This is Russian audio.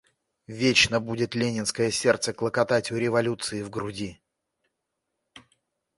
Вечно будет ленинское сердце клокотать у революции в груди.